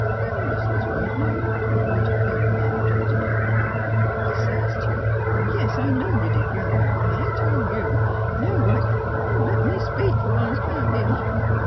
"*' Them russets wa'n't no good," the old man objected, feebly. " I sez t' you "'^ Yes; I know you did, Gran 'pa, an' I tol* you "*' Now, wife, you let me speak fer once, can't ye?